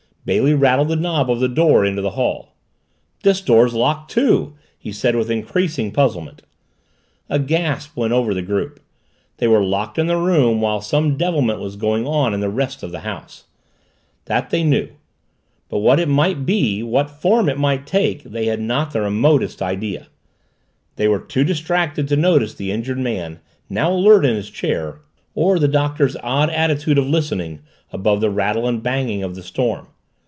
Bailey rattled the knob of the door into the hall. "This door's locked, too!" he said with increasing puzzlement. A gasp went over the group. They were locked in the room while some devilment was going on in the rest of the house. That they knew. But what it might be, what form it might take, they had not the remotest idea. They were too distracted to notice the injured man, now alert in his chair, or the Doctor's odd attitude of listening, above the rattle and banging of the storm.